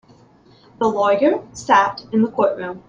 The lawyer sat in the courtroom.